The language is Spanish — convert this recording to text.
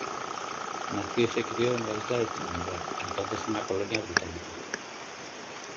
Nació y se crio en la isla de Trinidad, entonces una colonia británica.